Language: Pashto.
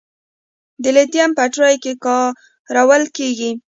د لیتیم بیټرۍ کې کارول کېږي.